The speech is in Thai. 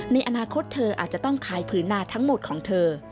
ในอนาคตเธออาจจะต้องขายผืนนาทั้งหมดของเธอ